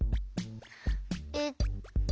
えっと。